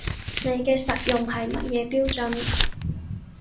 你嘅實用係乜嘢標準